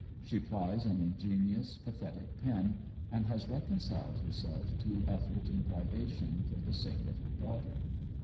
She plies an ingenious, pathetic pen, and has reconciled herself to eifort and privation for the sake of her daughter.